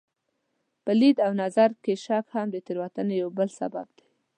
په لید او نظر کې شک هم د تېروتنې یو بل سبب دی.